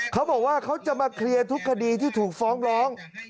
เขาบอกว่าเขาจะมาเคลียร์ทุกคดีที่ถูกฟ้องร้อง